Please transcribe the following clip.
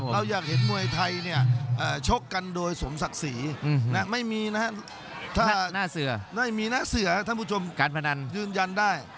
เราอยากเห็นมวยไทยชกกันโดยสมศักดิ์ศรีไม่มีหน้าเสือท่านผู้ชมยืนยันได้